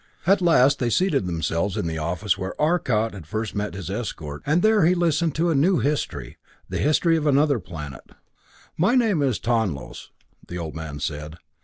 At last they seated themselves in the office where Arcot had first met his escort; and there he listened to a new history the history of another planet. "My name is Tonlos," the old man said.